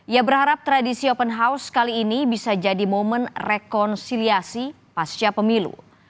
ia berharap tradisi open house kali ini bisa jadi momen rekonsiliasi pasca pemilu